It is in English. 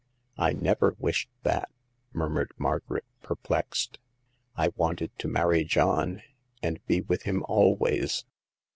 I never wished that !" murmured Margaret, perplexed. " I wanted to marry John and be with him always.